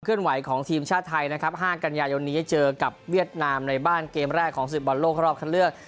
ไหวของทีมชาติไทยนะครับ๕กันยายนนี้เจอกับเวียดนามในบ้านเกมแรกของศึกบอลโลกรอบคันเลือก